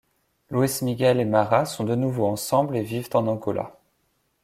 Luis Miguel et Mara sont de nouveau ensemble et vivent en Angola.